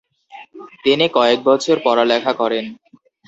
তিনি কয়েক বছর পড়েলেখা করেন।